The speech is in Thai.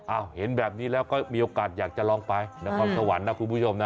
อ้าวเห็นแบบนี้แล้วก็มีโอกาสอยากจะลองไปนะความสะหวันนะคุณผู้ชมนะ